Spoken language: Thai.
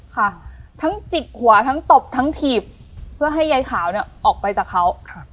ค่ะทั้งจิกหัวทั้งตบทั้งถีบเพื่อให้ยายขาวเนี่ยออกไปจากเขา